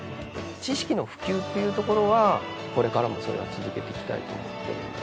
知識の普及っていうところはこれからもそれは続けていきたいと思ってるんで。